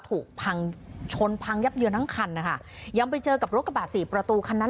ถูกชนพังยับเยียวทั้งคันยังไปเจอกับโรคกระบาด๔ประตูคันนั้น